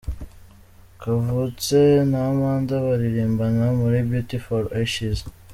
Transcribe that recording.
Kavutse na Amanda baririmbana muri Beauty For Ashes.